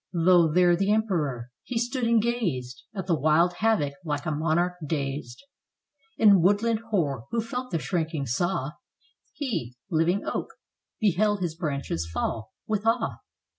Though there the Emperor! he stood and gazed At the wild havoc, like a monarch dazed In woodland hoar, who felt the shrieking saw — He, living oak, beheld his branches fall, with awe.